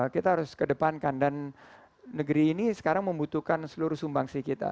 kita harus kedepankan dan negeri ini sekarang membutuhkan seluruh sumbangsi kita